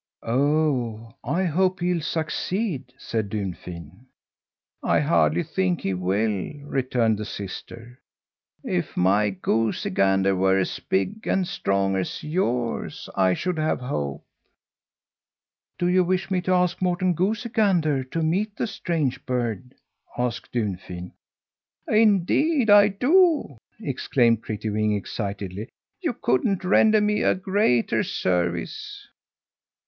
"Oh, I hope he'll succeed!" said Dunfin. "I hardly think he will," returned the sister. "If my goosey gander were as big and strong as yours, I should have hope." "Do you wish me to ask Morten Goosey Gander to meet the strange bird?" asked Dunfin. "Indeed, I do!" exclaimed Prettywing excitedly. "You couldn't render me a greater service."